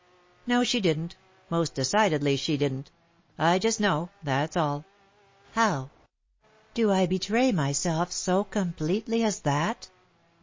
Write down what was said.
"No, she didn't most decidedly she didn't. I just know, that's all." "How? Do I betray myself so completely as that?"